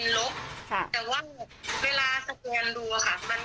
ลงไปก่อนลูก